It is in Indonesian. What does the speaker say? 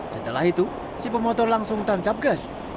setelah itu si pemotor langsung tancap gas